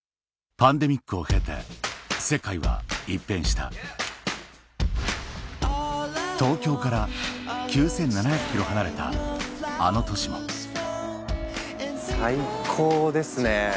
パンデミックを経て世界は一変した東京から９７００ｋｍ離れたあの都市も最高ですね。